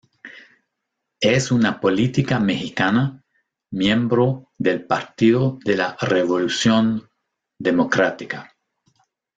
Es una política mexicana, miembro del Partido de la Revolución Democrática.